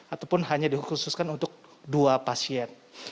ataupun hanya dikhususkan untuk dua pasien